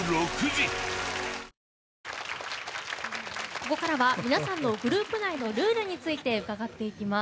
ここからは皆さんのグループ内のルールについて伺っていきます。